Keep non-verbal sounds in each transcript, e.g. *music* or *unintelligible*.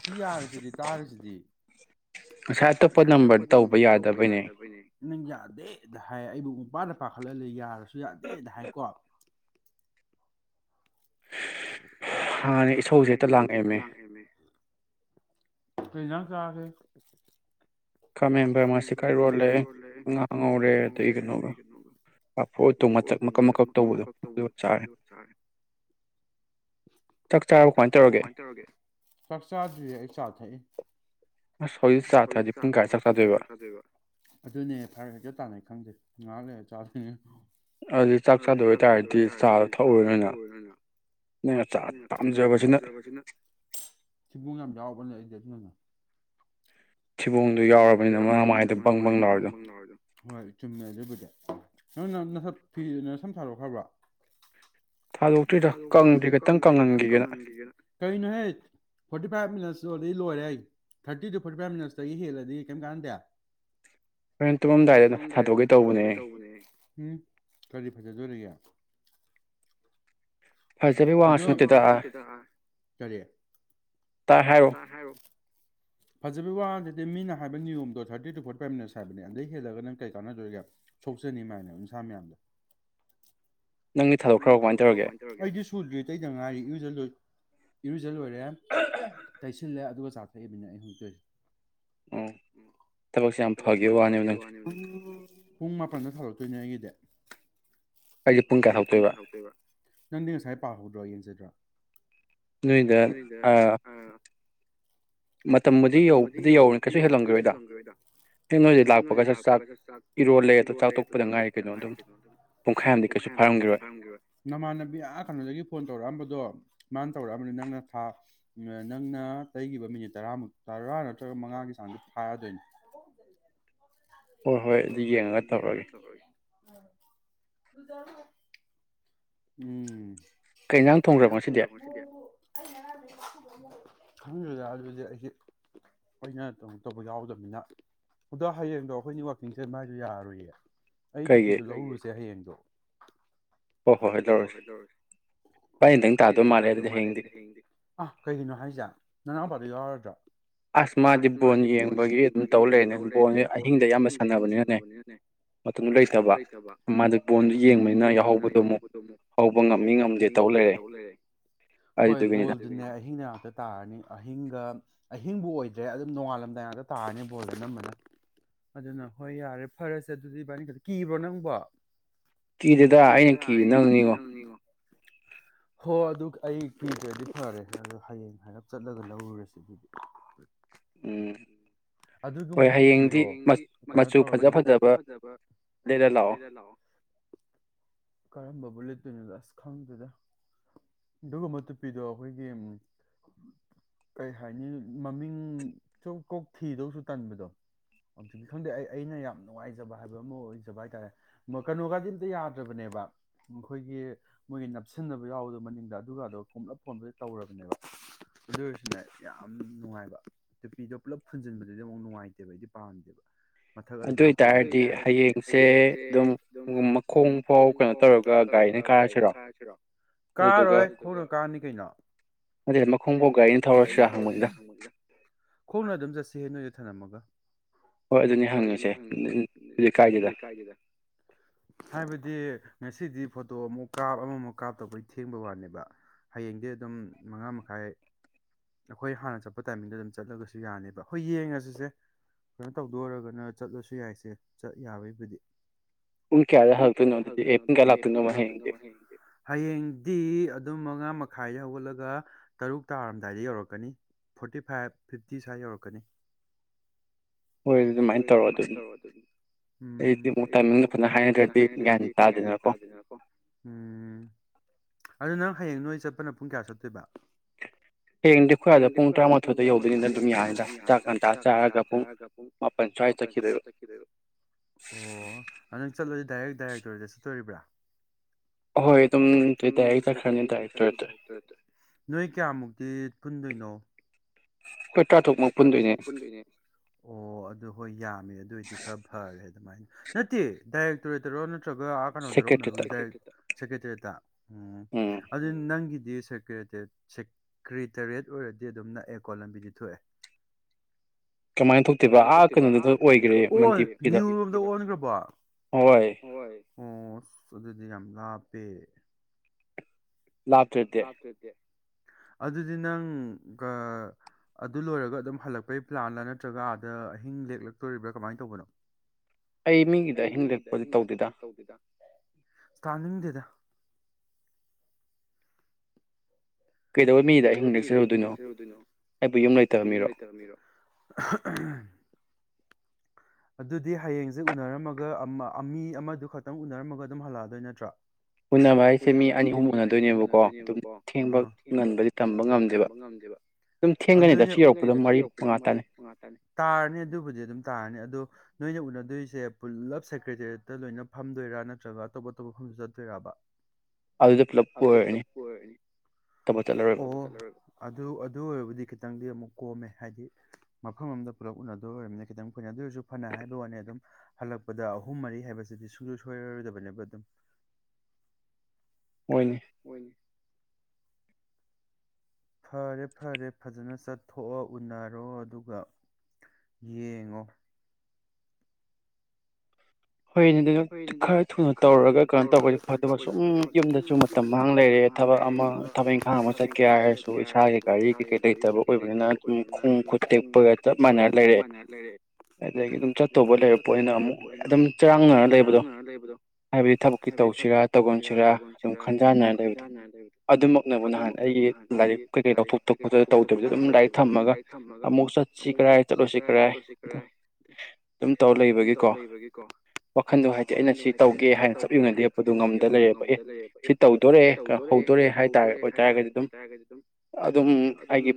ꯁꯤ ꯌꯥꯔꯖꯤꯗꯤ ꯇꯥꯔꯤꯖꯤꯗꯤ ꯉꯁꯥꯏ ꯑꯇꯣꯞꯄ ꯅꯝꯕꯔ ꯗ ꯇꯧꯕ ꯌꯥꯗꯕꯩꯅꯦ ꯅꯪ ꯌꯥꯗꯦ ꯗ ꯍꯥꯏ ꯑꯩꯕꯨ ꯄꯨꯡꯄꯥꯗ ꯄꯥꯈꯠꯂꯜꯂꯦ ꯌꯥꯔꯖꯨ ꯌꯥꯗꯦꯗ ꯍꯥꯏꯀꯣ ꯍꯥꯟꯅ ꯏꯁꯧꯖꯦ ꯍꯦꯇ ꯂꯥꯡꯑꯦꯃꯤ ꯀꯩ ꯍꯦꯟꯖꯥꯡ ꯆꯥꯔꯒꯦ ꯈꯥꯃꯦꯟ ꯕꯔꯃꯁꯤꯀꯥ ꯏꯔꯣꯜꯂꯦ ꯉꯥ ꯉꯧꯔꯦ ꯑꯗꯩ ꯀꯩꯅꯣꯒ ꯄꯐꯣꯔ ꯃꯀꯛ ꯃꯀꯛ ꯇꯧꯕꯗꯣ ꯑꯗꯨꯒ ꯆꯥꯔꯦ ꯆꯥꯛ ꯆꯥꯔꯕꯣ ꯀꯃꯥꯏ ꯇꯧꯔꯒꯦ ꯆꯥꯛ ꯆꯥꯗ꯭ꯔꯤꯌꯦ ꯑꯩ ꯆꯥ ꯊꯛꯏ *inaudible* ꯍꯧꯖꯤꯛ ꯆꯥ ꯊꯛꯑꯗꯤ ꯄꯨꯡ ꯀꯌꯥꯗꯩ ꯆꯥꯛ ꯆꯥꯗꯣꯏꯕ ꯑꯗꯨꯅꯦ ꯐꯔꯛ ꯍꯦꯛꯇ ꯇꯥꯅꯩ ꯈꯪꯗꯦ ꯉꯍꯥꯛ ꯂꯩꯔ ꯗꯥ ꯊꯤ ꯑꯗꯨꯗꯤ ꯆꯥꯛ ꯆꯥꯗꯣꯏ ꯑꯣꯏꯇꯥꯔꯗꯤ ꯆꯥꯗꯣ ꯊꯛꯎꯔꯅꯨꯅ ꯅꯪꯅ ꯆꯥ ꯄꯥꯝꯖꯕꯖꯤꯅ ꯊꯤꯕꯣꯡ ꯌꯥꯝ ꯌꯥꯎꯕꯅꯦ ꯑꯩ *unintelligible* ꯊꯤꯕꯣꯡꯗꯣ ꯌꯥꯎꯔꯕꯅꯤꯅ ꯃꯃꯥꯏꯗ ꯕꯪ ꯕꯪ ꯂꯥꯎꯔꯤꯗꯣ ꯍꯣꯏ ꯆꯨꯝꯃꯦ ꯑꯗꯨꯕꯨꯗꯤ ꯅꯪ ꯅꯪ ꯅꯁꯛ ꯊꯤ ꯅꯁꯝ ꯊꯥꯗꯣꯛꯈ꯭ꯔꯕ꯭ꯔ ꯊꯥꯗꯣꯛꯇ꯭ꯔꯤꯗ ꯀꯪꯗ꯭ꯔꯤ ꯈꯤꯇꯪ ꯀꯪꯍꯟꯒꯤꯒꯦꯅ ꯀꯩꯅꯣꯍꯦ ꯐꯣꯔꯇꯤ ꯐꯥꯏꯚ ꯃꯤꯅꯁ ꯆꯣꯜꯂꯗꯤ ꯂꯣꯏꯔꯦ ꯊꯥꯔꯇꯤ ꯇꯨ ꯐꯣꯔꯇꯤ ꯐꯥꯏꯚ ꯃꯤꯅꯁꯇꯒꯤ ꯍꯦꯜꯂꯗꯤ ꯀꯩꯝ ꯀꯥꯟꯅꯗꯦ ꯍꯣꯔꯦꯟ ꯇꯨꯝꯃꯝꯗꯥꯏꯗ ꯗꯨꯝ ꯊꯥꯗꯣꯛꯑꯒꯦ ꯇꯧꯕꯅꯦ ꯎꯝ ꯀꯔꯤ ꯐꯖꯗꯧꯔꯤꯌꯦ ꯑꯗꯣ ꯐꯖꯕꯩ ꯋꯥ ꯉꯥꯛꯁꯨ ꯅꯠꯇꯦꯗ ꯀꯔꯤ ꯇꯥꯏ ꯍꯥꯏꯔꯛꯑꯣ ꯐꯖꯕꯩ ꯋꯥ ꯉꯥꯛꯇ ꯅꯠꯇꯦ ꯃꯤꯅ ꯍꯥꯏꯕ ꯅꯤꯌꯣꯝꯗꯣ thirty to forty five minutes ꯍꯥꯏꯕꯅꯦ ꯑꯗꯩ ꯍꯦꯜꯂꯒ ꯅꯪ ꯀꯩ ꯀꯥꯟꯅꯗꯣꯏꯒꯦ ꯁꯣꯛꯆꯅꯤ ꯃꯥꯏꯅ ꯎꯟꯁꯥ ꯃꯌꯥꯝꯗꯣ ꯅꯪꯒꯤ ꯊꯥꯗꯣꯛꯈ꯭ꯔꯕ ꯀꯃꯥꯏ ꯇꯧꯔꯒꯦ ꯇꯩꯗ ꯉꯥꯏꯔꯤ ꯏꯔꯨꯖ ꯂꯣꯏ ꯏꯔꯨꯖ ꯁꯤꯗ ꯂꯣꯏꯔꯦ ꯇꯩꯁꯤꯜꯂꯦ ꯑꯗꯨꯒ ꯆꯥ ꯊꯛꯏꯕꯅꯤ ꯑꯩꯩꯅ ꯍꯧꯖꯤꯛ ꯇꯧꯏꯁꯦ ꯑꯎ ꯊꯕꯛꯁꯦ ꯌꯥꯝ ꯐꯒꯤꯕ ꯋꯥꯅꯦꯕ ꯅꯪꯁꯦ ꯀꯥꯟꯗ ꯊꯧꯔꯛꯇꯣꯏꯅꯦ ꯑꯩꯒꯤꯗꯤ ꯑꯩꯖꯦ ꯄꯨꯡ ꯀꯌꯥ ꯍꯧꯇꯣꯏꯕ ꯅꯪꯗꯤ ꯉꯁꯥꯏ ꯄꯥꯍꯧꯗ꯭ꯔꯣ ꯌꯦꯟꯖꯤꯟ *unintelligible* ꯅꯣꯏꯗ ꯑ ꯃꯇꯝꯕꯨꯗꯤ ꯌꯧꯕꯗꯤ ꯌꯧꯔ ꯀꯩꯁꯨ ꯍꯦꯜꯂꯝꯒꯤꯔꯣꯏꯗ ꯍꯦꯛ ꯅꯣꯏꯗ ꯂꯥꯛꯄꯒ ꯆ ꯆꯥꯛ ꯏꯔꯣꯜꯂꯦ ꯑꯗꯨꯗꯣ ꯆꯥꯛ ꯇꯣꯛꯄꯗ ꯉꯥꯏ ꯀꯩꯅꯣ ꯑꯗꯨꯝ ꯄꯨꯡꯈꯥꯏ ꯑꯝꯗꯤ ꯄꯨꯡꯈꯥꯏ ꯑꯝꯗꯤ ꯀꯩꯁꯨ ꯐꯥꯔꯝꯒꯤꯔꯣꯏ ꯅꯃꯥꯟꯅꯕꯤ ꯑꯥ ꯀꯅꯣꯗꯒꯤ ꯐꯣꯟ ꯇꯧꯔꯛꯑꯝꯕꯗꯣ ꯃꯥꯅ ꯇꯧꯔꯛꯑꯕꯅꯤ ꯅꯪꯅ ꯊꯥ ꯅꯪꯅ ꯇꯩꯒꯤꯕ ꯃꯤꯅꯠ ꯇꯔꯥꯃꯨꯛ ꯇꯔꯥ ꯅꯠꯇ꯭ꯔꯒ ꯃꯉꯥꯒꯤ ꯆꯥꯡꯗ ꯐꯥꯔꯗꯣꯏꯅꯤ ꯍꯣꯏ ꯍꯣꯏ ꯑꯗꯨ ꯌꯦꯡꯉꯒ ꯇꯧꯔꯒꯦ ꯎꯝ ꯀꯩꯏꯁꯥꯡ ꯊꯣꯡꯈ꯭ꯔꯃꯣ ꯉꯁꯤꯗꯤ ꯈꯪꯗ꯭ꯔꯗꯦ ꯑꯗꯨꯗꯤ ꯑꯩꯗꯤ ꯑꯩꯅ ꯀꯩꯅꯣ ꯇꯧꯕ ꯌꯥꯎꯗꯕꯅꯤꯅ ꯑꯗꯣ ꯍꯌꯦꯡꯗꯣ ꯑꯩꯈꯣꯏꯅꯤꯃꯛ ꯆꯦꯟꯕ ꯍꯥꯢꯗꯨ ꯌꯥꯔꯔꯣꯢꯌꯦ ꯑꯩ ꯇꯨꯄꯤꯗꯨ ꯂꯧꯔꯨꯁꯦ ꯍꯌꯦꯡꯗꯣ ꯍꯣꯏ ꯍꯣꯏ ꯍꯣꯏ ꯇꯧꯔꯁꯤ ꯏꯕꯥꯅꯤꯗꯪ ꯇꯥꯗꯣꯏ ꯃꯥꯜꯂꯦ ꯑꯗꯨꯗꯤ ꯍꯌꯦꯡꯗꯤ ꯀꯩꯒꯤꯅꯣ ꯍꯥꯏꯁꯦ ꯅꯅꯥꯎꯄꯥꯗꯣ ꯌꯥꯥꯎꯔꯔꯣꯢꯗ꯭ꯔꯣ ꯑꯁ ꯃꯥꯗꯤ ꯕꯣꯟ ꯌꯦꯡꯕꯒꯤ ꯑꯗꯨꯝ ꯇꯧ ꯂꯩꯔꯅꯤ ꯕꯣꯟꯁꯦ ꯑꯍꯤꯡꯗ ꯑꯌꯥꯝꯕ ꯁꯥꯟꯅ ꯑꯌꯥꯝꯕ ꯁꯥꯟꯅꯕꯅꯤꯅꯅꯦ ꯃꯇꯝꯗꯨ ꯂꯩꯇꯕ ꯃꯥ ꯕꯣꯜꯗꯨ ꯌꯦꯡꯕꯅꯤꯅ ꯌꯥꯎꯍꯧꯕꯗꯣ ꯑꯃꯨꯛ ꯍꯧꯕ ꯉꯝꯃꯤ ꯉꯝꯒꯦ ꯇꯧꯕ ꯂꯩꯔꯦ ꯍꯣꯏ ꯕꯣꯜ ꯗꯤꯅꯦ ꯑꯍꯤꯡ ꯉꯥꯛꯇ ꯇꯥꯔꯅꯤ ꯑꯍꯤꯡꯒ ꯑꯍꯤꯡꯕꯨ ꯑꯣꯏꯗ꯭ꯔꯦ ꯑꯗꯨꯝ ꯅꯣꯡꯉꯥꯜꯂꯝꯗꯥꯏ ꯑꯗ ꯇꯥꯔꯅꯤ ꯕꯣꯜꯗꯤ ꯑꯅꯝꯕꯅ ꯑꯗꯨꯅ ꯍꯣꯏ ꯌꯥꯔꯦ ꯐꯔꯁꯦ ꯑꯗꯨꯗꯤ ꯏꯕꯥꯅꯤ ꯈꯇ ꯀꯤꯕ꯭ꯔꯣ ꯅꯪꯕꯣ ꯀꯤꯗꯦꯗ ꯑꯩꯅ ꯀꯤꯔꯤꯗꯤ ꯅꯪꯅꯤꯉꯣ ꯍꯣ ꯑꯗꯨ ꯑꯩ ꯀꯤꯗ꯭ꯔꯗꯤ ꯐꯔꯦ ꯑꯣ ꯍꯌꯦꯡ ꯍꯥꯏꯔꯞ ꯆꯠꯂꯒ ꯂꯧꯔꯨꯔꯁꯤ ꯑꯗꯨꯗꯤ ꯎꯝ ꯍꯣꯏ ꯍꯌꯦꯡꯗꯤ ꯃꯆꯨ ꯐꯖ ꯐꯖꯕ ꯂꯩꯔ ꯂꯥꯛꯑꯣ ꯕꯨꯂꯦꯠꯇꯨꯅ ꯑꯁ ꯈꯪꯗꯗ ꯑꯗꯨꯒꯨꯝꯕ ꯇꯨꯄꯤꯗꯣ ꯑꯩꯈꯣꯏꯒꯤ ꯀꯩ ꯍꯥꯏꯅꯤ ꯃꯃꯤꯡ ꯆꯧ ꯀꯧ ꯊꯤꯗꯧꯁꯨ ꯇꯟꯕꯗꯣ ꯍꯧꯖꯤꯛꯀꯤ ꯈꯪꯗꯦ ꯑꯩ ꯑꯩꯅ ꯌꯥꯝ ꯅꯨꯡꯉꯥꯏꯖꯕ ꯍꯥꯏꯕ ꯑꯃ ꯑꯣꯏꯖꯕ ꯍꯥꯏꯇꯥꯔꯦ ꯀꯩꯅꯣꯒꯗꯤ ꯑꯝꯇ ꯌꯥꯗ꯭ꯔꯕꯅꯦꯕ ꯃꯈꯣꯏꯒꯤ ꯃꯣꯏꯒꯤ ꯅꯞꯁꯤꯟꯅꯕ ꯌꯥꯎꯕꯗꯣ ꯃꯅꯤꯡꯗ ꯑꯗꯨꯒ ꯑꯗꯣ ꯀꯣꯝꯂꯞ ꯄꯨꯗꯤ ꯇꯧꯔꯕꯅꯦꯕ ꯑꯗꯨ ꯑꯣꯏꯔꯁꯨꯅꯦ ꯌꯥꯝ ꯅꯨꯡꯉꯥꯏꯕ ꯇꯨꯄꯤꯗꯣ ꯄꯨꯂꯞ ꯐꯨꯟꯖꯤꯟꯕꯗꯨꯗꯤ ꯑꯃꯨꯛ ꯅꯨꯡꯉꯥꯏꯇꯦꯕ ꯑꯩꯗꯤ ꯄꯥꯝꯗꯦꯕ ꯃꯊꯛ ꯑꯗꯨꯃꯥꯏꯅ ꯍꯣꯕ ꯑꯗꯨ ꯑꯣꯏꯇꯥꯔꯗꯤ ꯍꯌꯦꯡꯁꯦ ꯑꯗꯨꯝ ꯃꯈꯣꯡꯐꯥꯎ ꯀꯩꯅꯣ ꯇꯧꯔꯒ ꯒꯥꯔꯤꯅ ꯀꯥꯔꯁꯤꯔꯣ ꯀꯥꯔꯔꯣꯏ ꯈꯣꯡꯅ ꯀꯥꯔꯅꯤ ꯀꯩꯅꯣ ꯑꯗꯨ ꯃꯈꯣꯡꯐꯥꯎ ꯒꯥꯔꯤꯅ ꯊꯧꯔꯁꯤꯔ ꯍꯪꯕꯅꯤꯗ ꯈꯣꯡꯅ ꯑꯗꯨꯝ ꯆꯠꯁꯤ ꯅꯣꯏ ꯊꯅꯝꯃꯒ ꯍꯣꯏ ꯑꯗꯨꯅꯤ ꯍꯪꯉꯤꯁꯦ ꯂꯤ ꯂꯤꯀꯥꯏꯗꯨꯗꯥ ꯍꯥꯏꯕꯗꯤ ꯉꯁꯤꯗꯤ ꯐꯣꯇꯣ ꯑꯃꯨꯛ ꯀꯥꯞ ꯑꯃꯃꯨꯛ ꯀꯥꯞꯇꯧꯕꯩ ꯊꯦꯡꯕꯩ ꯋꯥꯅꯦꯕ ꯍꯌꯦꯡꯗꯤ ꯑꯗꯨꯝ ꯃꯉꯥ ꯃꯈꯥꯏ ꯑꯩꯈꯣꯏ ꯍꯥꯟꯅ ꯆꯠꯄ ꯇꯥꯏꯃꯤꯡꯗ ꯑꯗꯨꯝ ꯆꯠꯂꯒꯁꯨ ꯌꯥꯅꯦꯕ ꯍꯣꯢ ꯌꯦꯡꯉꯁꯤꯁꯦ ꯀꯩꯅꯣ ꯇꯧꯗ ꯑꯣꯏꯔꯒꯅ ꯆꯠꯂꯁꯨ ꯌꯥꯏꯁꯦ ꯆꯠ ꯌꯥꯔꯕꯨꯗꯤ ꯄꯨꯡ ꯀꯌꯥꯗ ꯍꯜꯂꯛꯇꯣꯏꯅꯣ ꯑꯗꯨꯗꯤ ꯑꯦ ꯄꯨꯡ ꯀꯌꯥ ꯂꯥꯛꯇꯣꯏꯅꯣ ꯍꯌꯦꯡ ꯍꯌꯦꯡꯗꯤ ꯑꯗꯨꯝ ꯃꯉꯥ ꯃꯈꯥꯏꯗ ꯍꯧꯒꯠꯂꯒ ꯇꯔꯨꯛ ꯇꯥꯔꯝꯗꯥꯏꯗ ꯌꯧꯔꯛꯀꯅꯤ ꯐꯣꯔꯇꯤ ꯐꯥꯏꯚ ꯐꯤꯐꯇꯤ ꯁ꯭ꯋꯥꯏꯗ ꯌꯧꯔꯛꯀꯅꯤ ꯍꯣꯏ ꯑꯗꯨ ꯑꯗꯨꯃꯥꯏꯅ ꯇꯧꯔꯣ ꯑꯗꯨ ꯎꯝ ꯑꯩꯗꯤ ꯑꯃꯨꯛ ꯇꯥꯏꯃꯤꯡ ꯐꯖꯅ ꯍꯥꯏꯅꯗ꯭ꯔꯗꯤ ꯒ꯭ꯌꯥꯟ ꯇꯥꯗꯦꯗꯅꯀꯣ ꯎꯝ ꯑꯗꯨ ꯅꯪ ꯍꯌꯦꯡ ꯅꯣꯏ ꯆꯠꯄꯅ ꯄꯨꯡ ꯀꯌꯥ ꯆꯠꯇꯣꯏꯕ ꯍꯌꯦꯡꯗꯤ ꯑꯩꯈꯣꯏ ꯑꯗ ꯄꯨꯡ ꯇꯔꯥꯃꯥꯊꯣꯏꯗ ꯌꯧꯗꯣꯢꯅꯤꯅ ꯑꯗꯨꯝ ꯌꯥꯅꯤꯗ ꯆꯥꯛ ꯉꯟꯇ ꯆꯥꯔꯒ ꯆꯥꯔꯒ ꯄꯨꯡ ꯃꯥꯄꯜ ꯁ꯭ꯋꯥꯢ ꯆꯠꯈꯤꯗꯣꯢꯕ ꯑꯣ ꯆꯠꯂꯣꯢ ꯗꯥꯏꯔꯦꯛ ꯗꯥꯏꯔꯦꯛꯇꯣꯔꯦꯗ ꯆꯠꯇꯧꯔꯤꯕ꯭ꯔꯥ ꯑꯍꯣꯏ ꯑꯗꯨꯝ ꯗꯥꯢꯔꯦꯛ ꯆꯠꯈ꯭ꯔꯅꯤ ꯗꯥꯢꯔꯦꯛꯇꯣꯔꯦꯠꯇ ꯅꯣꯏ ꯀꯌꯥꯃꯨꯛꯇꯤ ꯄꯨꯟꯗꯣꯏꯅꯣ ꯑꯩꯈꯣꯏ ꯇꯔꯥꯇꯔꯨꯛꯃꯨꯛ ꯄꯨꯟꯗꯣꯏꯅꯦ ꯑꯣ ꯑꯗꯨ ꯍꯣꯏ ꯌꯥꯝꯃꯦ ꯑꯗꯨꯏꯗꯤ ꯈꯔ ꯐꯔꯦ ꯑꯗꯨꯃꯥꯏꯅ ꯅꯠꯇꯦ ꯗꯥꯏꯔꯦꯛꯇꯣꯔꯦꯠ ꯇꯔꯣ ꯅ ꯅꯠꯇ꯭ꯔꯒ ꯑ ꯀꯩꯅꯣꯗꯔꯣ ꯎꯅꯔꯣꯢ ꯗꯥ ꯁꯦꯀ꯭ꯔꯦꯇꯔꯦꯠꯇ ꯎꯝ ꯑꯗꯨ ꯅꯪꯒꯤꯗꯤ ꯁꯦꯀ꯭ꯔꯦꯇꯦꯠ ꯁꯦꯀ꯭ꯔꯤꯇꯔꯤꯌꯦꯠ ꯑꯣꯏꯔꯗꯤ ꯑꯗꯨꯝ ꯅꯛꯑꯦ ꯀꯣ ꯂꯝꯕꯤꯗꯤ ꯊꯣꯛꯑꯦ ꯀꯃꯥꯏꯅ ꯊꯣꯛꯇꯣꯢꯕ ꯑ ꯀꯩꯅꯣꯗꯒ ꯑꯣꯜ ꯅ꯭ꯌꯨꯔꯣꯝꯗ ꯑꯣꯟꯈ꯭ꯔꯕꯣ ꯍꯣꯢ ꯎꯝ ꯑꯁ ꯑꯗꯨꯗꯤ ꯌꯥꯝ ꯂꯥꯞꯄꯦ ꯂꯥꯞꯇ꯭ꯔꯗꯦ ꯑꯗꯨꯗꯤ ꯅꯪ ꯑ ꯑꯗꯨ ꯂꯣꯏꯔꯒ ꯑꯗꯨꯝ ꯍꯜꯂꯛꯄꯩ ꯄ꯭ꯂꯥꯟꯂꯥ ꯅꯠꯇ꯭ꯔꯒ ꯑꯥꯗ ꯑꯍꯤꯡ ꯂꯦꯛꯂꯛꯇꯣꯔꯤꯕ꯭ꯔꯥ ꯀꯃꯥꯏꯟ ꯇꯧꯕꯅꯣ ꯑꯩ ꯃꯤꯒꯤꯗ ꯑꯍꯤꯡ ꯂꯦꯛꯄꯗꯤ ꯇꯧꯗꯦꯗ ꯇꯥꯅꯤꯡꯗꯦꯗ ꯀꯩꯗꯧꯕ ꯃꯤꯒꯤꯗ ꯑꯍꯤꯡ ꯂꯦꯛꯆꯔꯨꯗꯣꯏꯅꯣ ꯑꯩꯕꯨ ꯌꯨꯝ ꯂꯩꯇꯕ ꯃꯤꯔꯣ ꯑꯗꯨꯗꯤ ꯍꯌꯦꯡꯁꯦ ꯎꯅꯔꯝꯃꯒ ꯑꯃ ꯃꯤ ꯑꯃꯗꯨ ꯈꯛꯇꯪ ꯎꯅꯔꯝꯃꯒ ꯑꯗꯨꯝ ꯍꯜꯂꯛꯑꯗꯣꯏ ꯅꯠꯇ꯭ꯔꯥ ꯎꯟꯅꯕ ꯍꯥꯢꯁꯦ ꯃꯤ ꯑꯅꯤ ꯑꯍꯨꯝ ꯎꯅꯗꯣꯏꯅꯦꯕꯀꯣ ꯊꯦꯡꯕ ꯉꯟꯕꯗꯤ ꯇꯝꯕ ꯉꯝꯗꯦꯕ ꯑꯗꯨ ꯑꯩꯅ ꯊꯦꯡꯗꯤ ꯊꯦꯡꯉꯅꯤꯗ ꯁꯤ ꯌꯧꯔꯛꯄꯗ ꯃꯔꯤ ꯃꯉꯥꯥ ꯇꯔꯅꯤ ꯇꯥꯔꯅꯤ ꯑꯗꯨꯕꯨꯗꯤ ꯑꯗꯨꯝ ꯇꯥꯔꯅꯤ ꯑꯗꯣ ꯅꯣꯏꯅ ꯎꯅꯗꯣꯏꯁꯦ ꯄꯨꯜꯂꯞ ꯁꯦꯀ꯭ꯔꯦꯇꯔꯤꯌꯦꯠꯇ ꯂꯣꯏꯅ ꯐꯝꯗꯣꯏꯔꯥ ꯅꯠꯇ꯭ꯔꯒ ꯑꯇꯣꯞ ꯑꯇꯣꯞꯄ ꯃꯐꯝꯗ ꯆꯠꯇꯣꯏꯔꯕ ꯑꯗꯨꯗ ꯄꯨꯂꯞ ꯀꯣꯢ꯬꯬꯬꯬꯬꯬ ꯑꯣ ꯑꯗꯨ ꯑꯗꯨ ꯑꯣꯏꯔꯕꯨꯗꯤ ꯈꯤꯇꯪꯗꯤ ꯑꯃꯨꯛ ꯀꯣꯝꯃꯦ ꯍꯥꯏꯗꯤ ꯃꯐꯝ ꯑꯃꯃꯗ ꯄꯨꯂꯞ ꯎꯅꯗꯣꯢ ꯑꯣꯏꯔꯔꯕꯅꯤꯅ ꯈꯤꯇꯪ ꯀꯨꯏꯅ ꯑꯗꯨ ꯑꯣꯏꯔꯁꯨ ꯐꯅ ꯍꯥꯏꯕꯋꯥꯅꯤ ꯑꯗꯨꯝ ꯍꯜꯂꯛꯄꯗ ꯑꯍꯨꯝ ꯃꯔꯤ ꯍꯥꯏꯕꯁꯤꯗꯤ ꯁꯨꯡꯁꯣꯏ ꯁꯣꯏꯔꯔꯣꯏꯗꯕꯅꯦꯕ ꯑꯗꯨꯝ ꯍꯣꯏꯅꯦ ꯐꯔꯦ ꯐꯔꯦ ꯐꯖꯅ ꯆꯠꯊꯣꯛꯑꯣ ꯎꯅꯔꯣ ꯑꯗꯨꯒ ꯌꯦꯡꯉꯣ ꯍꯣꯏꯅꯦ ꯑꯗꯨ ꯈꯔ ꯊꯨꯅ ꯇꯧꯔꯒ ꯀꯩꯅꯣ ꯇꯧꯕ ꯑꯣꯢꯗꯤ ꯐꯗꯧꯕ ꯁꯨꯝ ꯌꯨꯝꯗꯁꯨ ꯃꯇꯝ ꯃꯥꯡꯉ ꯂꯩꯔꯦ ꯊꯕꯛ ꯑꯃ ꯊꯕꯛ ꯏꯪꯈꯥꯡ ꯑꯃ ꯆꯠꯀꯦ ꯍꯥꯏꯔꯁꯨ ꯏꯁꯥꯒꯤ ꯒꯥꯔꯤ ꯀꯩꯀꯩ ꯂꯩꯇꯕ ꯑꯣꯏꯕꯅꯤꯅ ꯑꯗꯨꯝ ꯈꯣꯡ ꯈꯨꯠ ꯇꯦꯛꯄꯒ ꯆꯞ ꯃꯥꯟꯅ ꯂꯩꯔꯦ ꯑꯗꯒꯤ ꯑꯗꯨꯝ ꯆꯠꯇꯧꯕ ꯂꯩꯔꯄꯣꯠꯅꯤꯅ ꯑꯃꯨꯛ ꯑꯗꯨꯝ ꯔꯥꯡꯅꯔ ꯆꯔꯥꯡꯅꯔ ꯂꯩꯕꯗꯣ ꯍꯥꯏꯕꯗꯤ ꯊꯕꯛꯀꯤ ꯇꯧꯁꯤꯔꯥ ꯇꯧꯒꯟꯁꯤꯔꯥ ꯑꯗꯨꯝ ꯈꯟꯖꯥꯟꯅꯔ ꯂꯩꯕꯗꯣ ꯑꯗꯨꯃꯛꯅꯕꯨ ꯅꯍꯥꯟ ꯑꯩꯒꯤ ꯂꯥꯏꯔꯤꯛ ꯀꯩꯀꯩ ꯂꯧꯊꯣꯛ ꯈꯣꯠꯇꯣꯛꯄꯗ ꯇꯧꯗꯕꯤꯗ ꯑꯗꯨꯝ ꯂꯥꯏꯔꯤꯛ ꯊꯝꯃꯒ ꯑꯃꯨꯛ ꯆꯠꯁꯤ ꯀꯔꯥꯏ ꯆꯠꯂꯣꯢꯁꯤ ꯀꯔꯥꯏ ꯑ ꯑꯗꯨꯝ ꯇꯧꯔ ꯂꯩꯕꯒꯤꯀꯣ ꯗꯣ ꯍꯥꯏꯗꯤ ꯑꯩꯅ ꯁꯤ ꯇꯧꯒꯦ ꯍꯥꯏꯅ ꯆꯞ ꯌꯨꯡꯅ ꯂꯦꯞꯄꯗꯣ ꯉꯝꯗ ꯂꯩꯔꯦꯕ ꯑꯦ ꯁꯤ ꯇꯧꯗꯣꯔꯦ ꯍꯧꯗꯣꯔꯑꯦ ꯍꯥꯏꯇꯥꯔ ꯑꯣꯏꯇꯥꯔꯒꯗꯤ ꯑꯗꯨꯝ ꯑꯗꯨꯝ ꯑꯩꯒꯤ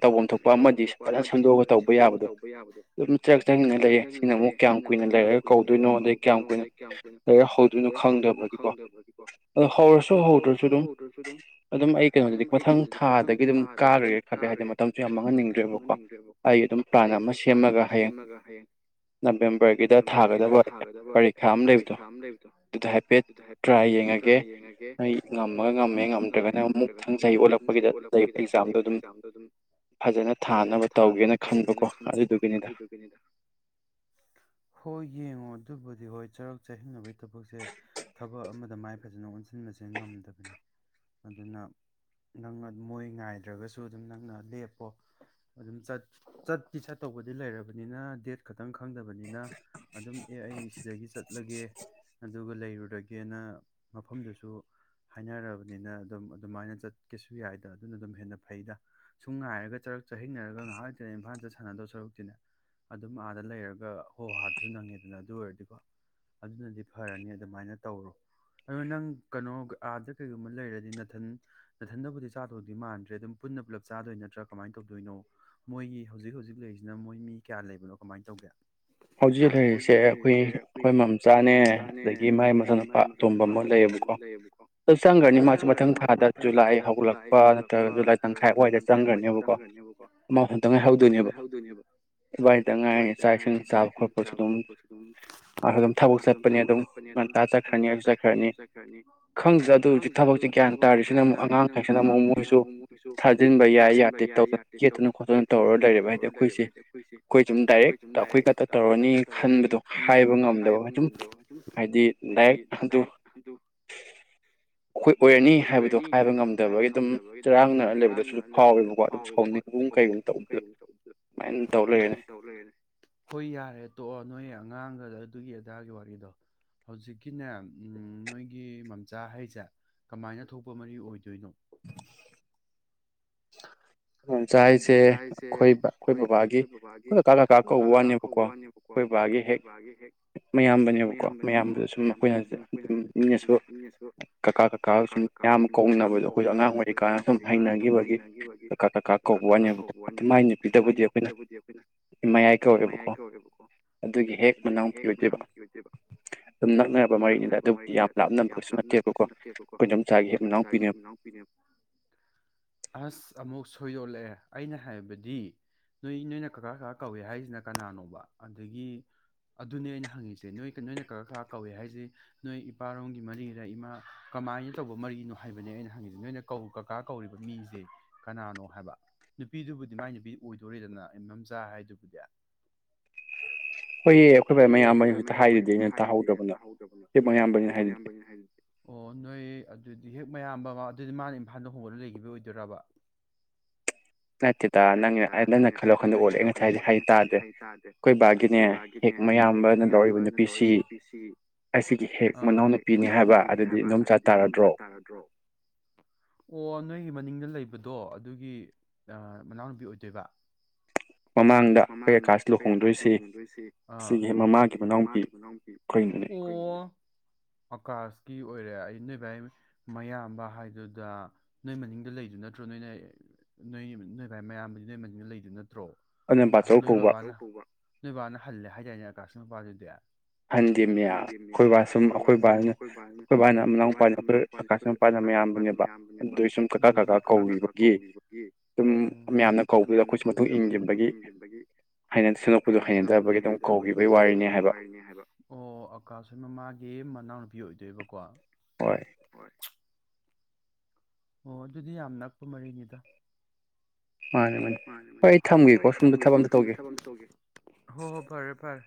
ꯇꯧꯐꯝ ꯊꯣꯛꯄ ꯑꯃꯗꯤ ꯐꯖꯅ ꯁꯦꯝꯗꯣꯛꯑꯒ ꯇꯧꯕ ꯌꯥꯕꯗꯣ ꯑꯗꯨꯝ ꯆ꯭ꯔꯛ ꯆꯍꯤꯡꯅ ꯂꯩꯌꯦ ꯁꯤꯅ ꯑꯃꯨꯛ ꯀꯌꯥꯝ ꯀꯨꯏꯅ ꯂꯩꯔꯒ ꯀꯧꯗꯣꯏꯅꯣ ꯑꯗꯩ ꯀꯌꯥꯝ ꯉꯣꯟꯗ ꯀꯌꯥꯝ ꯀꯨꯏꯅ ꯂꯩꯔ ꯍꯧꯗꯣꯏꯅꯣ ꯈꯪꯗꯕꯒꯤꯀꯣ ꯑꯗꯣ ꯍꯧꯔꯁꯨ ꯍꯧꯗ꯭ꯔꯁꯨ ꯑꯗꯨꯝ ꯑꯗꯨꯝ ꯑꯩ ꯀꯩꯅꯣꯗꯗꯤ ꯃꯊꯪ ꯊꯥꯗꯒꯤ ꯑꯗꯨꯝ ꯀꯥꯈ꯭ꯔꯒꯦ ꯈꯜꯂꯦ ꯍꯥꯏꯗꯤ ꯃꯇꯝꯁꯨ ꯌꯥꯝ ꯃꯥꯡꯍꯟꯅꯤꯡꯗ꯭ꯔꯦꯕꯀꯣ ꯑꯩ ꯑꯗꯨꯝ ꯄ꯭ꯂꯥꯟ ꯑꯃ ꯁꯦꯝꯃꯒ ꯍꯌꯦꯡ ꯅꯕꯦꯝ ꯊꯥꯒꯗꯕ ꯄꯔꯤꯛ ꯊꯥ ꯑꯃ ꯂꯩꯕꯗꯣ ꯑꯗꯨꯗ ꯍꯥꯏꯐꯦꯠ ꯇ꯭ꯔꯥꯏ ꯌꯦꯡꯉꯒꯦ ꯑꯩ ꯉꯝꯃꯒ ꯉꯝꯃꯦ ꯉꯝꯗ꯭ꯔꯒꯅ ꯃꯨꯛ ꯃꯊꯪ ꯆꯍꯤ ꯑꯣꯜꯂꯛꯄꯒꯤꯗ ꯂꯩꯔꯤꯕ ꯑꯦꯛꯖꯥꯝꯗꯣ ꯑꯗꯨꯝ ꯐꯖꯅ ꯊꯥꯅꯕ ꯇꯧꯒꯦꯅ ꯈꯟꯕꯀꯣ ꯑꯗꯨꯗꯨꯒꯤꯅꯤꯗ ꯍꯣꯏ ꯌꯦꯡꯉꯣ ꯑꯗꯨꯕꯨ ꯍꯥꯏꯗꯤ ꯍꯣꯏ ꯆꯔꯛ ꯆꯍꯤꯟꯅꯅꯕꯒꯤ ꯊꯕꯛꯁꯦ ꯊꯕꯛ ꯑꯃꯗ ꯃꯥꯏ ꯐꯖꯅ ꯑꯣꯟꯁꯤꯟꯕꯁꯦ ꯉꯝꯗꯕꯅꯤ ꯑꯗꯨꯅ ꯅꯪꯅ ꯃꯣꯏ ꯉꯥꯏꯗ꯭ꯔꯒꯁꯨ ꯑꯗꯨꯝ ꯅꯪꯅ ꯂꯦꯞꯄꯣ ꯑꯗꯨꯝ ꯆꯠ ꯆꯠꯇꯤ ꯆꯠꯇꯧꯕꯗꯤ ꯂꯩꯔꯕꯅꯤꯅ ꯗꯦꯠ ꯈꯛꯇꯪ ꯈꯪꯗꯕꯅꯤꯅ ꯑꯗꯨꯝ ꯑꯦ ꯁꯤꯗꯒꯤ ꯆꯠꯂꯒꯦ ꯑꯗꯨꯒ ꯂꯩꯔꯨ ꯔꯒꯦꯅ ꯃꯐꯝꯗꯨꯁꯨ ꯍꯥꯏꯅꯔꯕꯅꯤꯅ ꯑꯗꯨꯝ ꯑꯗꯨꯃꯥꯏꯅ ꯆꯠꯀꯦꯁꯨ ꯌꯥꯏꯗ ꯑꯗꯨꯅꯗꯨꯝ ꯍꯦꯟꯅ ꯐꯩꯗ ꯁꯨꯝ ꯉꯥꯏꯔꯒ ꯆꯔꯛ ꯆꯍꯤꯡꯅꯔꯒ ꯉꯥꯍꯥꯛꯂꯩꯇꯅꯇꯅ ꯏꯝꯐꯥꯜ ꯆꯠ ꯁꯥꯟꯅꯗꯧ ꯁꯔꯨꯛꯇꯤ ꯑꯗꯨꯝ ꯑꯥꯗ ꯂꯩꯔꯒ ꯍꯣ ꯍꯥꯗꯨꯁꯨ ꯅꯪꯉꯦꯗꯅ ꯑꯗꯨ ꯑꯣꯏꯔꯗꯤ ꯑꯗꯨꯅꯗꯤ ꯐꯔꯅꯤ ꯑꯗꯨꯃꯥꯏꯅ ꯇꯧꯔꯣ ꯑꯗꯨ ꯅꯪ ꯀꯩꯅꯣ ꯑꯥꯗ ꯀꯩꯒꯨꯝꯕ ꯂꯩꯔꯗꯤ ꯅꯥꯊꯟ ꯅꯥꯊꯟꯗꯕꯨꯗꯤ ꯆꯥꯗꯧꯗꯤ ꯃꯥꯟꯗ꯭ꯔꯦ ꯑꯗꯨꯝ ꯄꯨꯟꯅ ꯄꯨꯂꯞ ꯆꯥꯗꯣꯏ ꯅꯠꯇ꯭ꯔꯥ ꯀꯃꯥꯏꯅ ꯇꯧꯗꯣꯏꯅꯣ ꯃꯣꯏꯒꯤ ꯍꯧꯖꯤꯛ ꯍꯧꯖꯤꯛ ꯂꯩꯔꯤꯁꯤꯅ ꯃꯣꯏ ꯃꯤ ꯀꯌꯥ ꯂꯩꯕꯅꯣ ꯀꯃꯥꯏꯅ ꯇꯧꯒꯦ ꯍꯧꯖꯤꯛ ꯂꯩꯔꯤꯁꯦ ꯑꯩꯈꯣꯏ ꯑꯩꯈꯣꯏ ꯃꯥꯝꯆꯥꯅꯦ ꯑꯗꯒꯤ ꯃꯥꯥꯏ ꯃꯅꯎꯅꯨꯄꯥ ꯑꯇꯣꯝꯕ ꯑꯃ ꯂꯩꯌꯦꯕꯀꯣ ꯑꯗꯨ ꯆꯪꯈ꯭ꯔꯅꯤ ꯃꯥꯁꯨ ꯃꯊꯪ ꯊꯥꯗ ꯖꯨꯂꯥꯏ ꯍꯧꯒꯠꯂꯛꯄ ꯅꯠꯇ꯭ꯔꯒ ꯖꯨꯂꯥꯏ ꯇꯪꯈꯥꯏ ꯋꯥꯏꯗ ꯆꯪꯈ꯭ꯔꯅꯦꯕꯀꯣ ꯑꯃ ꯃꯊꯟꯇ ꯉꯥꯏꯍꯧꯗꯣꯏꯅꯦꯕ ꯑꯗꯨꯋꯥꯏꯗ ꯉꯥꯏ ꯆꯥꯛ ꯏꯁꯤꯡ ꯆꯥꯛ ꯏꯁꯤꯡ ꯆꯥꯕ ꯈꯣꯠꯄꯁꯨꯗꯨꯝ ꯑꯗꯨꯝ ꯊꯕꯛ ꯆꯠꯄꯅꯦ ꯑꯗꯨꯝ ꯉꯟꯇꯥ ꯆꯠꯈ꯭ꯔꯅꯤ ꯑꯩꯖꯨ ꯆꯠꯈ꯭ꯔꯅꯤ ꯈꯪꯗꯗꯦ ꯑꯗꯨ ꯍꯧꯖꯤꯛ ꯊꯕꯛꯁꯦ ꯒ꯭ꯌꯥꯟ ꯇꯥꯔꯤꯁꯤꯅ ꯑꯃꯨꯛ ꯑꯉꯥꯡ ꯈꯩꯁꯤꯅ ꯑꯃꯨꯛ ꯃꯣꯏꯁꯨ ꯊꯥꯖꯤꯟꯕ ꯌꯥꯏ ꯌꯥꯗꯦ ꯇꯧꯗꯅ ꯌꯦꯠꯇꯅ ꯈꯣꯠꯇꯅ ꯇꯧꯔꯒ ꯂꯩꯔꯦꯕ ꯍꯥꯏꯗꯤ ꯑꯩꯈꯣꯏꯁꯦ ꯑꯩꯈꯣꯏꯁꯨꯝ ꯗꯥꯏꯔꯦꯛ ꯇꯧ ꯑꯩꯈꯣꯏ ꯈꯛꯇ ꯇꯧꯔꯅꯤ ꯈꯟꯕꯗꯣ ꯍꯥꯏꯕ ꯉꯝꯗꯕ ꯑꯗꯨꯝ ꯍꯥꯏꯗꯤ ꯂꯥꯏꯔꯤꯛ ꯑꯗꯨ ꯑꯩꯈꯣꯏ ꯑꯣꯏꯔꯅꯤ ꯍꯥꯏꯕꯗꯣ ꯍꯥꯏꯕ ꯉꯝꯗꯕꯒꯤ ꯑꯗꯨꯝ ꯆꯔꯥꯡꯅꯔ ꯂꯩꯕꯗꯁꯨ ꯑꯗꯨꯝ ꯐꯥꯎꯋꯦꯕꯀꯣ ꯑꯗꯨꯝ ꯁꯥꯎꯅꯤꯡꯒꯨꯝ ꯀꯩꯒꯨꯝ ꯇꯧꯕꯗ ꯑꯗꯨꯃꯥꯏꯅ ꯇꯧꯔ ꯂꯩꯔꯦ ꯍꯣꯏ ꯌꯥꯔꯦ ꯇꯣꯛꯑꯣ ꯅꯣꯏ ꯑꯉꯥꯡꯒꯗ ꯑꯗꯨꯒꯤ ꯑꯗꯥꯒꯤ ꯋꯥꯔꯤꯗꯣ ꯍꯧꯖꯤꯛꯀꯤꯅꯦ ꯅꯣꯏꯒꯤ ꯃꯥꯝꯆꯥ ꯍꯥꯢꯔꯤꯁꯦ ꯀꯃꯥꯏꯅ ꯊꯣꯛꯄ ꯃꯔꯤ ꯑꯣꯏꯗꯣꯏꯅꯣ *inaudible* *inaudible* ꯃꯥꯝꯆꯥ ꯍꯥꯏꯁꯦ ꯑꯩꯈꯣꯏ ꯑꯩꯈꯣꯏ ꯕꯕꯥꯒꯤ ꯑꯩꯈꯣꯢ ꯀꯀꯥ ꯀꯀꯥ ꯀꯧꯕ ꯋꯥꯅꯦꯕꯀꯣ ꯑꯩꯈꯣꯏ ꯕꯕꯥꯒꯤ ꯍꯦꯛ ꯃꯌꯥꯝꯕꯅꯦꯕꯀꯣ ꯃꯌꯥꯝꯕꯗ ꯁꯨꯝ ꯑꯩꯈꯣꯏꯅ ꯑꯗꯨꯝ ꯃꯤꯅꯁꯨ ꯀꯀꯥ ꯀꯀꯥ ꯁꯨꯝ ꯃꯌꯥꯝ ꯀꯧꯅꯕꯗꯣ ꯑꯩꯈꯣꯏꯁꯨ ꯑꯉꯥꯡ ꯑꯣꯏꯔꯤ ꯀꯥꯟꯅ ꯁꯨꯝ ꯍꯩꯅꯈꯤꯕꯒꯤ ꯀꯀꯥ ꯀꯀꯥ ꯀꯧꯕ ꯋꯥꯅꯦꯕꯀꯣ ꯑꯗꯨ ꯃꯥꯏ ꯅꯨꯄꯤꯗꯕꯨꯗꯤ ꯑꯩꯈꯣꯏꯅ ꯏꯃꯥꯌꯥꯏ ꯀꯧꯋꯦꯕꯀꯣ ꯑꯗꯨꯒꯤ ꯍꯦꯛ ꯃꯅꯥꯎꯄꯤ ꯑꯣꯏꯗꯣꯢꯕ ꯑꯗꯨꯝ ꯅꯛꯅꯕ ꯃꯔꯤꯅꯤꯗ ꯑꯗꯨꯕꯨꯗꯤ ꯌꯥꯝ ꯂꯥꯞꯅꯕ ꯀꯩꯁꯨ ꯅꯠꯇꯦꯕꯀꯣ ꯑꯩꯈꯣꯏ ꯢꯗꯣꯝꯆꯥꯥꯒꯤ ꯍꯦꯛ ꯃꯅꯥꯎꯄꯤꯅꯦꯕ ꯑꯃꯨꯛꯁꯨ ꯊꯨꯢꯑꯦꯜꯂꯦ ꯑꯩꯅ ꯍꯥꯏꯕꯗꯤ ꯅꯣꯏ ꯅꯣꯏꯅ ꯀꯀꯥ ꯀꯀꯥ ꯀꯧꯏꯦ ꯍꯥꯏꯁꯤꯅ ꯀꯅꯥꯅꯣꯕ ꯑꯗꯒꯤ ꯑꯗꯨꯅꯦ ꯑꯩꯅ ꯍꯪꯉꯤꯁꯦ ꯅꯣꯏ ꯅꯣꯏꯅ ꯀꯀꯥ ꯀꯀꯥ ꯀꯧꯋꯦ ꯍꯥꯏꯁꯦ ꯅꯣꯏ ꯏꯄꯥꯔꯣꯝꯒꯤ ꯃꯔꯤꯗ ꯏꯃꯥ ꯀꯃꯥꯏꯅ ꯇꯧꯕ ꯃꯔꯤꯅꯣ ꯍꯥꯏꯕꯅꯦ ꯑꯩꯅ ꯍꯪꯉꯤꯁꯦ ꯅꯣꯏꯅ ꯀꯧ ꯀꯀꯥ ꯀꯧꯔꯤꯕ ꯃꯤꯁꯦ ꯀꯅꯥꯅꯣ ꯍꯥꯏꯕ ꯅꯨꯄꯤꯗꯨꯕꯨꯗꯤ ꯃꯥꯏ ꯅꯨꯄꯤ ꯑꯣꯏꯗꯣꯔꯦꯗꯅ ꯏꯗꯣꯝꯆꯥ ꯍꯥꯏꯗꯨꯕꯨꯗꯤ ꯍꯣꯏꯌꯦ ꯑꯩꯈꯣꯏ ꯕꯥ ꯃꯌꯥꯝꯕꯅꯦ ꯍꯧꯖꯤꯛꯇ ꯍꯥꯏꯔꯤꯗꯨꯗꯤ ꯑꯩꯅ ꯇꯥꯍꯧꯗ꯭ꯔꯥꯕꯣ ꯅꯪ ꯍꯦꯛ ꯃꯌꯥꯝꯕꯥꯅꯦ ꯍꯥꯏꯔꯤꯗꯨꯗꯤ ꯑꯣ ꯅꯣꯏ ꯑꯗꯨꯗꯤ ꯍꯦꯛ ꯃꯌꯥꯝꯕ ꯑꯗꯨꯗꯤ ꯃꯥꯅ ꯏꯝꯐꯥꯜꯗ ꯍꯣꯡꯒꯠꯂꯒ ꯂꯩꯈꯤꯕ ꯑꯣꯏꯗꯣꯏꯔꯥꯕ ꯅꯠꯇꯦꯗ ꯅꯪꯅ ꯅꯪꯅ ꯈꯜꯂꯤ ꯋꯥꯈꯟꯗꯣ ꯎꯔꯦ ꯑꯩꯅ ꯉꯁꯥꯏꯗꯩ ꯍꯥꯏꯁꯦ ꯇꯥꯗꯦ ꯑꯩꯈꯣꯏ ꯕꯥꯒꯤꯅꯦ ꯍꯦꯛ ꯃꯌꯥꯝꯕꯅ ꯂꯧꯔꯤꯕ ꯅꯨꯄꯤꯁꯤꯑ ꯑꯁꯤꯒꯤ ꯍꯦꯛ ꯃꯅꯥꯎ ꯅꯨꯄꯤꯅꯦ ꯍꯥꯏꯕ ꯑꯗꯨꯗꯤ ꯢꯗꯣꯝꯆꯥ ꯇꯥꯔꯗ꯭ꯔꯣ ꯑꯣ ꯅꯣꯢ ꯃꯥꯅꯤꯡꯗ ꯂꯩ ꯕꯗꯣ ꯑꯗꯨꯒꯤ ꯑꯥ ꯃꯅꯥꯎꯅꯨꯄꯤ ꯑꯣꯏꯗꯣꯏꯕ ꯃꯃꯥꯡꯗ ꯑꯈꯣꯢ ꯑꯀꯥꯁ ꯂꯨꯍꯣꯡꯗꯣꯏꯁꯦ ꯑꯥ ꯑꯁꯤꯒꯤ ꯍꯦꯛ ꯃꯃꯥꯒꯤ ꯃꯅꯥꯎꯅꯨꯄꯤ ꯑꯣ ꯑꯀꯥꯁꯀꯤ ꯑꯣꯏꯔꯦ ꯑꯩ ꯅꯣꯏ ꯚꯥꯏ ꯃꯌꯥꯝꯕ ꯍꯥꯏꯗꯨꯗ ꯅꯣꯏ ꯃꯅꯤꯡꯗ ꯂꯩꯗꯨ ꯅꯠꯇ꯭ꯔꯣ ꯅꯣꯏꯅ ꯅꯣꯏ ꯅꯣꯏ ꯅꯣꯢ ꯚꯥꯢ ꯃꯌꯥꯝꯕꯗꯨꯗꯤ ꯅꯣꯢ ꯃꯤꯅꯤꯡꯗ ꯂꯩꯗꯨ ꯅꯠ ꯅꯠꯇ꯭ꯔꯣ ꯅꯣꯏ ꯅꯣꯢ ꯕꯕꯥꯅ ꯍꯧꯕ ꯅꯣꯢ ꯕꯕꯥꯅ ꯍꯜꯂꯦ ꯍꯥꯏꯗꯥꯢꯅꯦ ꯔꯥꯁꯀꯤ ꯃꯄꯥ ꯗꯨꯗꯤ ꯍꯟꯗꯦꯃꯦ ꯑꯩꯈꯣꯏꯕꯥ ꯁꯨꯝ ꯑꯩꯈꯣꯏ ꯕꯥꯅ ꯑꯩꯈꯣꯏ ꯕꯥꯅ ꯃꯅꯥꯎꯄꯥꯅꯦ ꯑꯩꯈꯣꯏ ꯀꯀꯥꯁꯤ ꯃꯄꯥꯅ ꯃꯌꯥꯝꯕꯅꯦꯕ ꯑꯗꯨꯏ ꯁꯨꯝ ꯀꯀꯥ ꯀꯀꯥ ꯀꯧꯒꯤꯕꯒꯤ ꯁꯨꯝ ꯎꯝ ꯃꯌꯥꯝꯅ ꯀꯧꯕꯗꯨꯗ ꯑꯩꯈꯣꯏꯁꯨ ꯃꯇꯨꯡ ꯏꯟꯒꯤꯕꯗꯒꯤ ꯍꯩꯅ ꯁꯦꯝꯗꯣꯛꯄꯗꯣ ꯍꯩꯅꯗꯕꯒꯤ ꯑꯗꯨꯝ ꯀꯧꯒꯤꯕꯩ ꯋꯥꯔꯤꯅꯤ ꯍꯥꯏꯕ ꯑꯣ ꯑꯀꯥꯁꯀꯤ ꯃꯃꯥꯒꯤ ꯃꯅꯥꯎꯅꯨꯄꯤ ꯑꯣꯏꯗꯣꯏꯕꯀꯣ ꯍꯣꯏ ꯑꯣ ꯑꯗꯨꯗꯤ ꯌꯥꯝ ꯅꯛꯄ ꯃꯔꯤꯅꯤꯗ ꯃꯥꯅꯦ ꯃꯥꯅꯤ ꯍꯣꯏ ꯑꯩ ꯊꯝꯒꯦꯀꯣ ꯁꯣꯝꯗ ꯊꯕꯛ ꯑꯃ ꯇꯧꯒꯦ ꯍꯣ ꯍꯣ ꯐꯔꯦ ꯐꯔꯦ